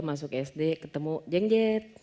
masuk sd ketemu jengjet